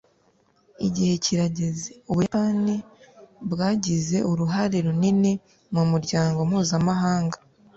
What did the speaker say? Igihe kirageze Ubuyapani bwagize uruhare runini mumuryango mpuzamahanga